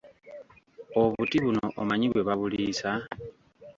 Obuti buno omanyi bwe babuliisa?